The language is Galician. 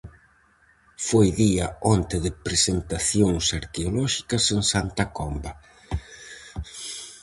Foi día onte de presentacións arqueolóxicas en Santa Comba.